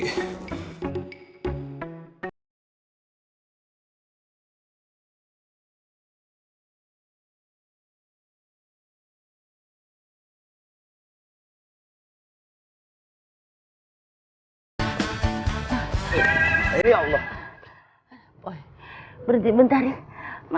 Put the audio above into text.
hai hai hai berhenti bentar mah capek tak boleh pegang ini dulu ya harfai taruh di depan